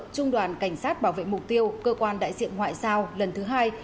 trung đoàn cảnh sát bảo vệ mục tiêu cơ quan đại diện ngoại giao lần thứ hai